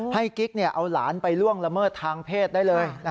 กิ๊กเอาหลานไปล่วงละเมิดทางเพศได้เลย